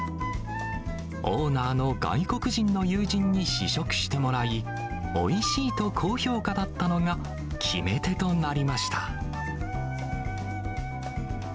オーナーの外国人の友人に試食してもらい、おいしいと高評価だったのが、決め手となりました。